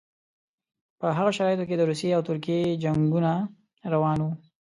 په هغو شرایطو کې د روسیې او ترکیې جنګونه روان وو.